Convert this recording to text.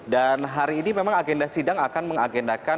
dan hari ini memang agenda sidang akan mengagendakan